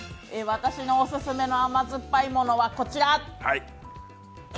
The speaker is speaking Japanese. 私のおすすめの甘酸っぱいものはこちら。